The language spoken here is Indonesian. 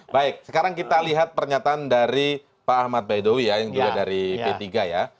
baik sekarang kita lihat pernyataan dari pak ahmad baidowi ya yang juga dari p tiga ya